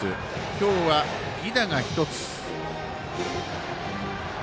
今日は、犠打が１つ。